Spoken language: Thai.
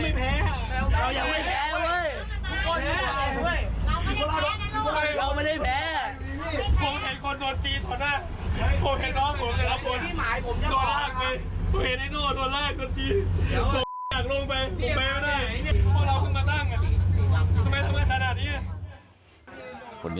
สิบองลูกใจกลังไปพวกเราเพิ่งมาตั้ง